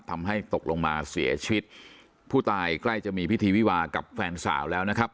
ทำให้ตกลงมาเสียชีวิตผู้ตายใกล้จะมีพิธีวิวากับแฟนสาวแล้วนะครับ